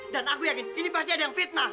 dan aku yakin ini pasti ada yang fitnah